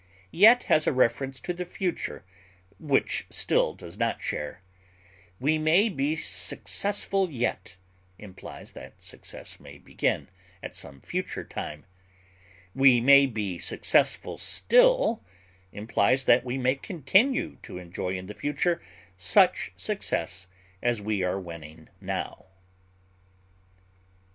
Yet has a reference to the future which still does not share; "we may be successful yet" implies that success may begin at some future time; "we may be successful still" implies that we may continue to enjoy in the future such success as we are winning now.